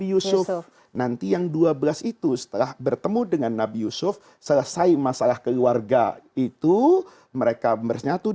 yang harta objek zakat